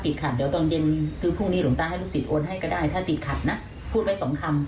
พระเกจิอาจารย์ชื่อดังไปดูนะครับทุกผู้ชมครับ